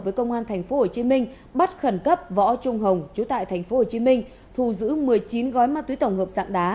với công an tp hcm bắt khẩn cấp võ trung hồng chú tại tp hcm thu giữ một mươi chín gói ma túy tổng hợp dạng đá